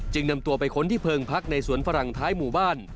นำตัวไปค้นที่เพิงพักในสวนฝรั่งท้ายหมู่บ้าน